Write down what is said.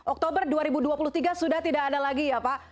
oktober dua ribu dua puluh tiga sudah tidak ada lagi ya pak